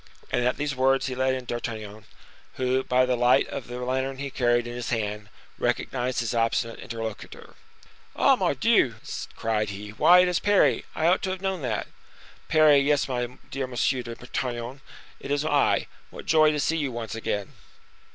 And at these words he let in D'Artagnan, who, by the light of the lantern he carried in his hand, recognized his obstinate interlocutor. "Ah! Mordioux!" cried he: "why, it is Parry! I ought to have known that." "Parry, yes, my dear Monsieur d'Artagnan, it is I. What joy to see you once again!"